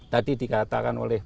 tadi dikatakan oleh